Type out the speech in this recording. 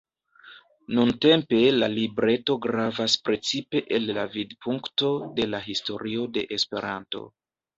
Nuntempe la libreto gravas precipe el la vidpunkto de la historio de Esperanto.